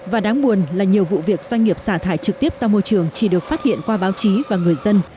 và đáng buồn là nhiều vụ việc doanh nghiệp xả thải trực tiếp ra môi trường chỉ được phát hiện qua báo chí và người dân